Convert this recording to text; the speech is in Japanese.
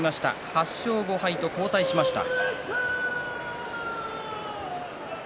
８勝５敗と後退しました。